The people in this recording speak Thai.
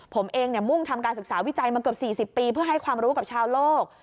ผมเองมุ่งทำการศึกษาวิจัยมาเกือบ๔๐ปีเพื่อให้ความรู้กับชาวโลก